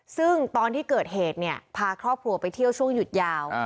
ซึ่งตอนที่เกิดเหตุเนี่ยพาครอบครัวไปเที่ยวช่วงหยุดยาว